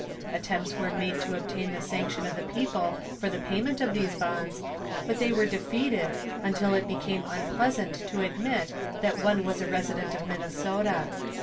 Attempts were made to obtain the sanction of the people for the payment of these bonds, but they were defeated, until it became unpleasant to admit that one was a resident of Minnesota.